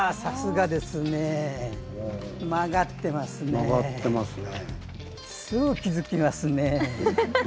さすがですねぇ。